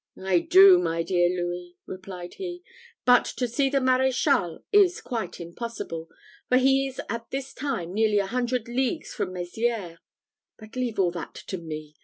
"I do, my dear Louis," replied he: "but to see the Maréchal is quite impossible: for he is at this time nearly a hundred leagues from Mezières. But leave all that to me.